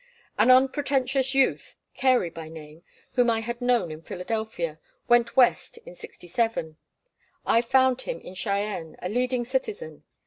An unpretentious youth, Carey by name, whom I had known in Philadelphia, went West in '67. I found him in Cheyenne a leading citizen.